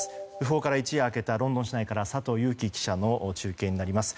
訃報から一夜明けたロンドン市内から佐藤記者の中継です。